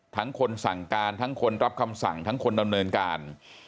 คนสั่งการทั้งคนรับคำสั่งทั้งคนดำเนินการ